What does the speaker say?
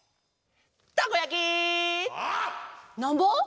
「たこやき」「なんぼ？」